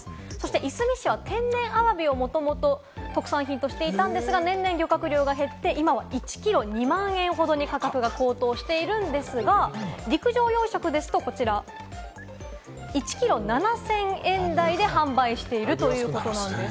いすみ市は天然アワビをもともと特産品としていたんですが、年々、漁獲量が減って、今は１キロ２万円ほどに価格が高騰しているんですが、陸上養殖ですとこちら、１キロ７０００円台で販売しているということなんです。